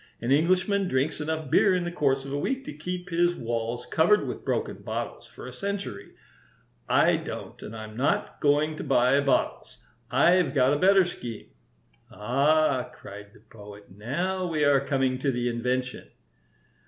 An Englishman drinks enough beer in the course of a week to keep his walls covered with broken bottles for a century. I don't, and I'm not going to buy bottles. I've got a better scheme." "Ah!" cried the Poet. "Now we are coming to the invention."